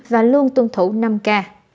và luôn tuân thủ năm k